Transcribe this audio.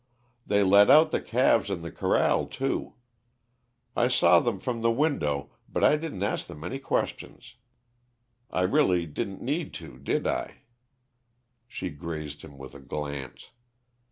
"They let out the calves in the corral, too. I saw them from the window, but I didn't ask them any questions. I really didn't need to, did I?" She grazed him with a glance.